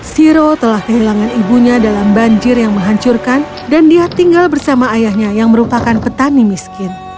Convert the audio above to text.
siro telah kehilangan ibunya dalam banjir yang menghancurkan dan dia tinggal bersama ayahnya yang merupakan petani miskin